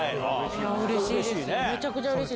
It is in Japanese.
うれしいです。